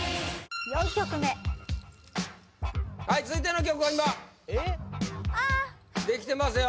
４曲目はい続いての曲を今あっできてますよ